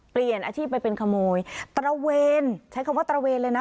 เปลี่ยนอาชีพไปเป็นขโมยตระเวนใช้คำว่าตระเวนเลยนะ